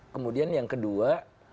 kemudian yang kedua